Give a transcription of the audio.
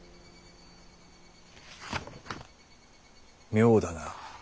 妙だな。